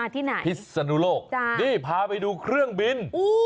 ที่ไหนพิศนุโลกนี่พาไปดูเครื่องบิน